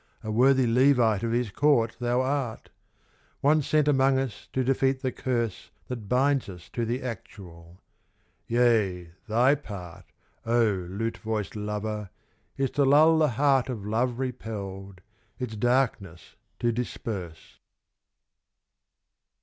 A worthy Levite of his court thou art! One sent among us to defeat the curse That binds us to the Actual. Yea, thy part, Oh, lute voiced lover! is to lull the heart Of love repelled, its darkness to disperse.